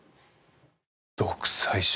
独裁者。